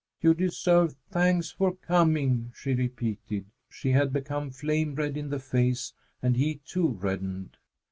"You deserve thanks for coming," she repeated. She had become flame red in the face, and he too reddened.